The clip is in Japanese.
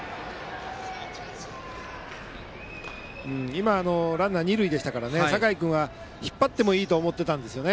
今、ランナー二塁でしたから酒井君は引っ張ってもいいと思っていたんですね。